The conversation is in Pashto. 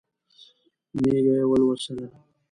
مېږه یې ولوسله.